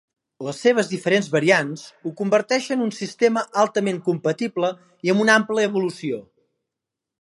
Les seves diferents variants ho converteixen un sistema altament compatible i amb una àmplia evolució.